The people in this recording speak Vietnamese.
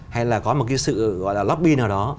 hay là có một cái sự gọi là lobbin nào đó